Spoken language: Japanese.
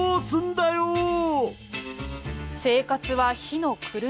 生活は火の車。